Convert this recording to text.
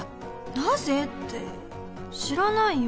なぜって知らないよ